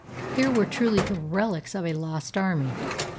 Here were truly the "relics of a lost army."